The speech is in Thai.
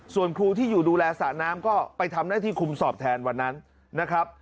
ส่วนครูที่อยู่ดูแลสระน้ำก็ไปทำหน้าที่คุมสอบแทนวันนั้นนะครับ